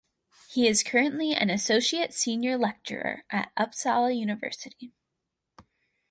He is currently an Associate Senior Lecturer at Uppsala University.